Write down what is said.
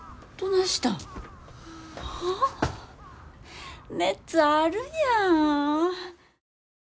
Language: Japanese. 熱あるやん。